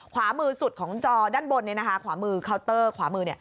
ขวามือสุดของจอด้านบนเนี่ยนะคะขวามือเคาน์เตอร์ขวามือเนี่ย